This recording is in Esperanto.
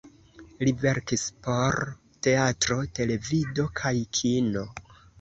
Li verkis por teatro, televido kaj kino.